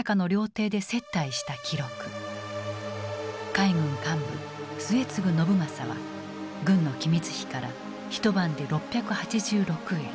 海軍幹部・末次信正は軍の機密費から一晩で６８６円